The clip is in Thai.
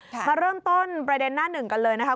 มาเริ่มต้นประเด็นหน้าหนึ่งกันเลยนะคะ